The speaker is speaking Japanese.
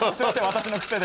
私の癖で。